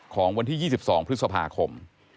ของวันที่๒๒พฤษภาคม